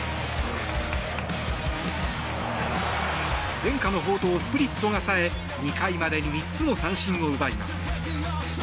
伝家の宝刀、スプリットが冴え２回までに３つの三振を奪います。